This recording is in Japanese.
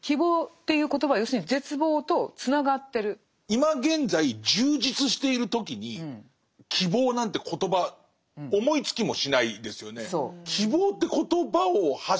今現在充実している時に「希望」なんて言葉思いつきもしないですよね。